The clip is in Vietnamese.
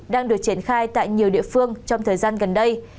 đang được triển khai tại nhiều địa phương trong thời gian gần đây